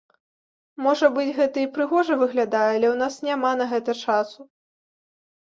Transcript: Можа быць, гэта і прыгожа выглядае, але ў нас няма на гэта часу.